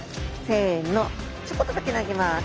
せのちょこっとだけ投げます。